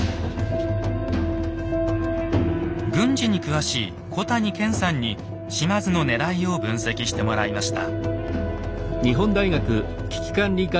軍事に詳しい小谷賢さんに島津のねらいを分析してもらいました。